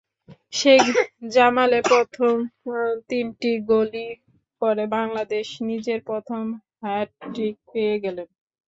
শেখ জামালের প্রথম তিনটি গোলই করে বাংলাদেশে নিজের প্রথম হ্যাটট্রিক পেয়ে গেলেন।